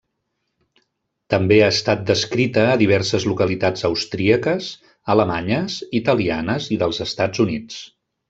També ha estat descrita a diverses localitats austríaques, alemanyes, italianes i dels Estats Units.